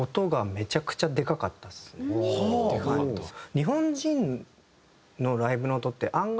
日本人のライブの音って案外